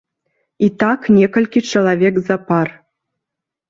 І так некалькі чалавек запар.